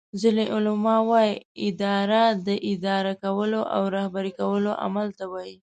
ځینی علما وایې اداره داداره کولو او رهبری کولو عمل ته وایي